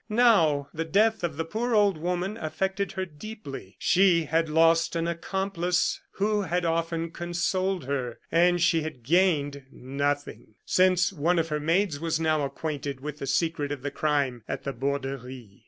Now, the death of the poor old woman affected her deeply. She had lost an accomplice who had often consoled her, and she had gained nothing, since one of her maids was now acquainted with the secret of the crime at the Borderie.